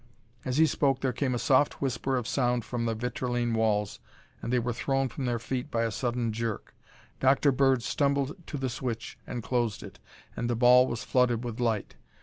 As he spoke there came a soft whisper of sound from the vitrilene walls and they were thrown from their feet by a sudden jerk. Dr. Bird stumbled to the switch and closed it, and the ball was flooded with light.